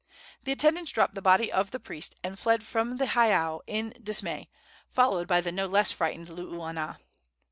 The attendants dropped the body of the priest and fled from the heiau in dismay, followed by the no less frightened Luuana.